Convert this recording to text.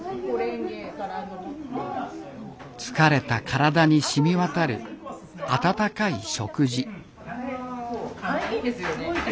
疲れた体にしみわたる温かい食事。